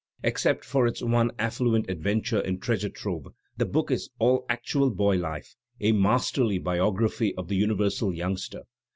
Except for its one affluent adventure in treasure trove, the book is all actual boy life, a masterly biography of the universal youngster.